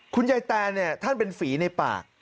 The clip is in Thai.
คุณยายแตนท่านเป็นฝีในปาก